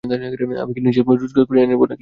আমি কি নিজে রোজগার করিয়া আনিব।